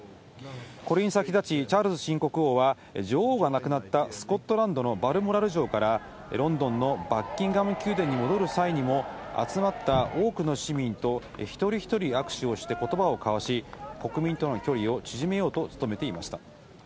これに先立ち、チャールズ新国王は、女王が亡くなったスコットランドのバルモラル城からロンドンのバッキンガム宮殿に戻る際にも、集まった多くの市民と一人一人握手をして、ことばを交わし、国民との距離を縮めようと努めていました。